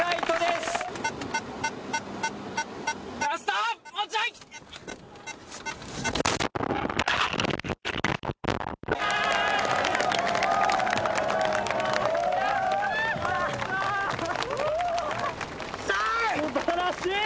すばらしい！